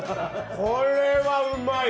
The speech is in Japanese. これはうまい！